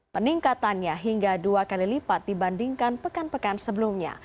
peningkatannya hingga dua kali lipat dibandingkan pekan pekan sebelumnya